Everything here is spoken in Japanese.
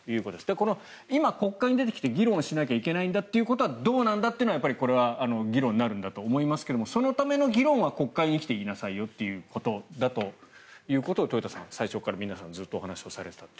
この今国会に出てきて議論しないといけないということはどうなんだというのは、これは議論になるんだと思いますがそのための議論は国会に来て言いなさいよということを豊田さん、最初から皆さんはお話しされていたと。